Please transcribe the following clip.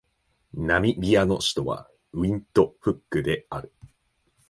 ナミビアの首都はウィントフックである